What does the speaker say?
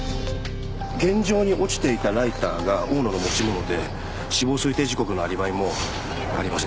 現場に落ちていたライターが大野の持ち物で死亡推定時刻のアリバイもありませんでした。